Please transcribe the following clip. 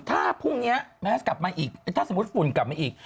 ถ้าพรุ่งนี้แมสกลับมาอีกถ้าสมมุติฝุ่นกลับมาอีก